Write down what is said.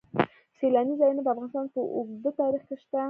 سیلاني ځایونه د افغانستان په اوږده تاریخ کې شته.